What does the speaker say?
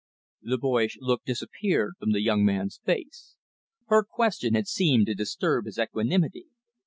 The boyish look disappeared from the young man's face. Her question had seemed to disturb his equanimity.